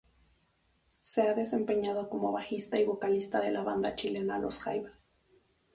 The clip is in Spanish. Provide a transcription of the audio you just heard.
Se ha desempeñado como bajista y vocalista de la banda chilena Los Jaivas.